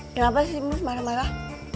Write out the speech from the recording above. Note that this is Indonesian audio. kenapa si mus marah marah